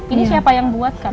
ini siapa yang buatkan